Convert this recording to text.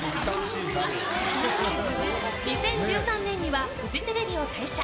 ２０１３年にはフジテレビを退社。